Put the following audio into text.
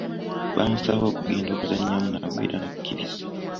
Baamusaba okugenda okuzannyamu nabo era n'akkiriza.